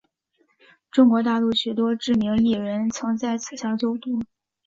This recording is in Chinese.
中国大陆许多知名艺人曾在此校就读。